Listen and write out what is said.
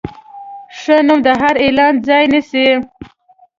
ښه نوم د هر اعلان ځای نیسي.